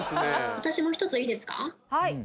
私も一ついいですか？